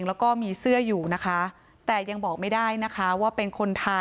ส่วนของหัวมือขาที่หายไปอาจจะถูกสัตว์น้ำกัดแทะออกไปก็เป็นไปได้